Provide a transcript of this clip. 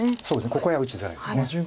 ここへは打ちづらいです。